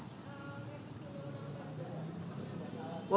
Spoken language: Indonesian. ini kita lakukan